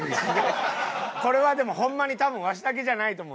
これはでもホンマに多分わしだけじゃないと思う。